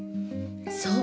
そう！